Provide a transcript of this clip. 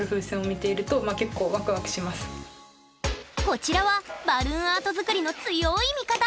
こちらはバルーンアート作りの強い味方！